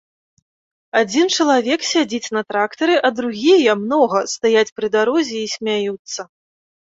Адзін чалавек сядзіць на трактары, а другія, многа, стаяць пры дарозе і смяюцца.